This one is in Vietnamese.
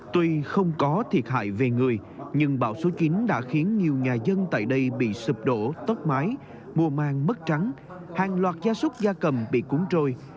tuy không có thiệt hại về người nhưng bão số chín đã khiến nhiều nhà dân tại đây bị sụp đổ tốc mái mùa màng mất trắng hàng loạt gia súc gia cầm bị cuốn trôi